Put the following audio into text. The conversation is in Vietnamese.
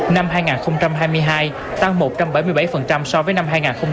năm hai nghìn hai mươi hai tăng một trăm bảy mươi bảy so với năm hai nghìn hai mươi hai